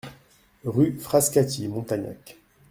Rue Frascati, Montagnac